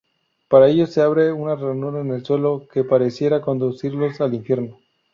Para ellos se abre un ranura en el suelo que pareciera conducirlos al infierno.